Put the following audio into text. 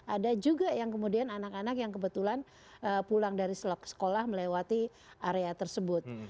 ada juga yang kemudian anak anak yang kebetulan pulang dari sekolah melewati area tersebut